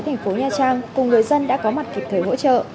thành phố nha trang cùng người dân đã có mặt kịp thời hỗ trợ